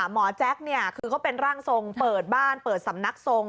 แจ๊คคือเขาเป็นร่างทรงเปิดบ้านเปิดสำนักทรง